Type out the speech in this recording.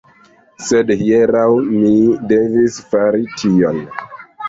Sed, hieraŭ, mi devis fari tion.